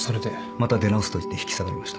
また出直すと言って引き下がりました。